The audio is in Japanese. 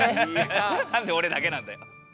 なんでおれだけなんだよ。